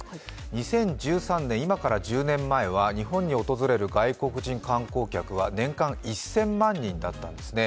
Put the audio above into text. ２０１３年、今から１０年前は日本に訪れる外国人観光客は年間１０００万人だったんですね。